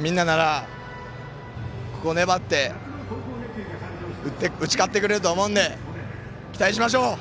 みんななら、ここ粘って打ち勝ってくれると思うんで期待しましょう！